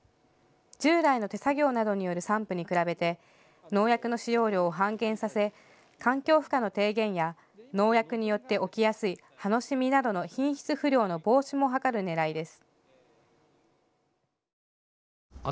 従来の手作業などによる散布に比べて農薬の使用量を半減させ環境負荷の低減や農薬によって起きやすい葉のシミなどの品質不良の防止も図るねらいです。